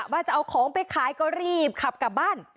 ว่าจะเอาของไปขายก็รีบขับกลับบ้าน